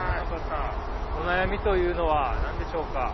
お悩みというのは何でしょうか？